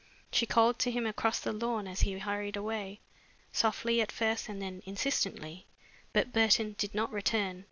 She called to him across the lawn as he hurried away, softly at first and then insistently. But Burton did not return.